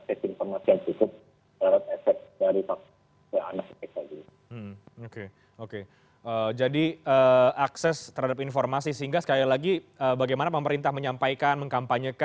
sewaktu bergulir data